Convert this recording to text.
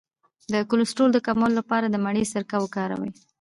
د کولیسټرول د کمولو لپاره د مڼې سرکه وکاروئ